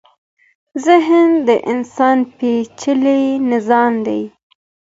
ذهن د انسان پېچلی نظام دی.